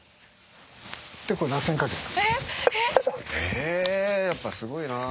えやっぱすごいな。